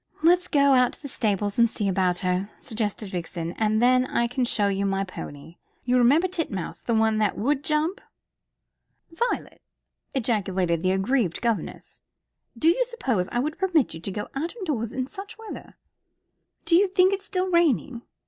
"Let's go out to the stables and see about her," suggested Vixen. "And then I can show you my pony. You remember Titmouse, the one that would jump?" "Violet!" ejaculated the aggrieved governess. "Do you suppose I would permit you to go out of doors in such weather?" "Do you think it's still raining?"